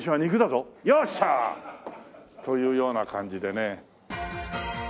よっしゃー！というような感じでね。